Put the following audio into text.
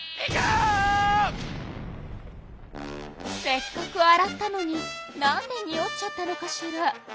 せっかく洗ったのになんでにおっちゃったのかしら？